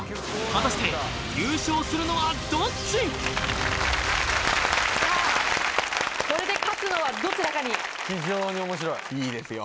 果たして優勝するのはどっちさあこれで勝つのはどちらかにいいですよ